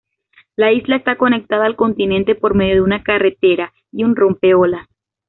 La isla está conectada al continente por medio de una carretera y un rompeolas.